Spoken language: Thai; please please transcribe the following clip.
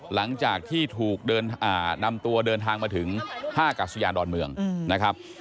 หลังจากที่ถูกนำตัวเดินทางมาถึงท่ากัศยานดอนเมืองนะครับ